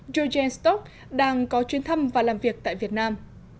george n stock đang có chuyên thăm và làm việc tại việt nam